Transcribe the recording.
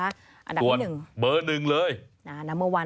ส่วนเบอร์หนึ่งเลย